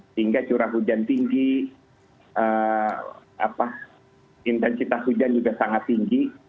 sehingga curah hujan tinggi intensitas hujan juga sangat tinggi